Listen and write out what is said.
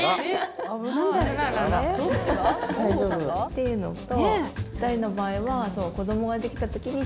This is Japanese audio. ていうのと。